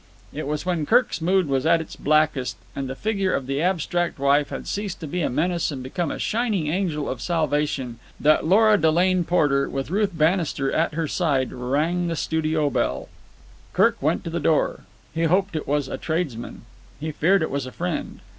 It was when Kirk's mood was at its blackest, and the figure of the abstract wife had ceased to be a menace and become a shining angel of salvation, that Lora Delane Porter, with Ruth Bannister at her side, rang the studio bell. Kirk went to the door. He hoped it was a tradesman; he feared it was a friend.